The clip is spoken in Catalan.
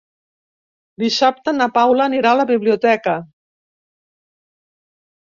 Dissabte na Paula anirà a la biblioteca.